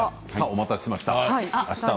お待たせしました。